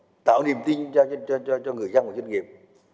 và tạo niềm tin cho người dân của chuyên nghiệp